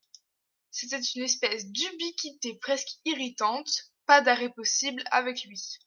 C'était une espèce d'ubiquité presque irritante ; pas d'arrêt possible avec lui.